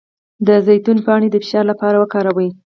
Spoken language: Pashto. د زیتون پاڼې د فشار لپاره وکاروئ